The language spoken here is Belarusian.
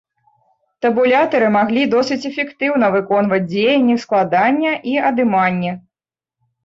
Табулятары маглі досыць эфектыўна выконваць дзеянні складання і адыманні.